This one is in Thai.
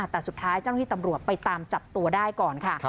แต่สุดท้ายเจ้าหน้าที่ตำรวจไปตามจับตัวได้ก่อนค่ะ